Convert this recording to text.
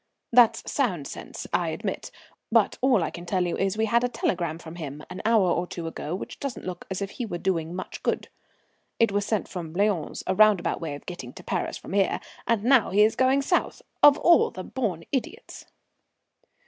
"That's sound sense, I admit. But all I can tell you is we had a telegram from him an hour or two ago which doesn't look as if he was doing much good. It was sent from Lyons, a roundabout way of getting to Paris from here, and now he's going south! Of all the born idiots!"